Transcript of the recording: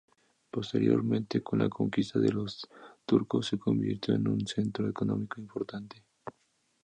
Posteriormente, con la conquista de los turcos, se convirtió en un centro económico importante.